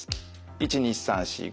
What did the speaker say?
１２３４５。